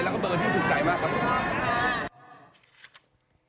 แล้วก็เบอร์ที่ถูกใจมากครับผม